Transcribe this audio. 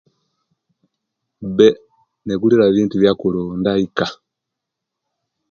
Be negulira bintu byakulunda ika